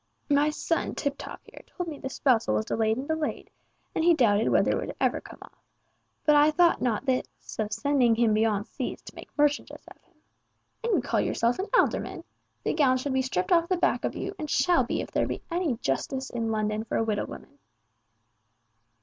My son, Tiptoff here, told me the spousal was delayed and delayed, and he doubted whether it would ever come off, but I thought not of this sending him beyond seas, to make merchandise of him. And you call yourself an alderman! The gown should be stript off the back of you, and shall be, if there be any justice in London for a widow woman."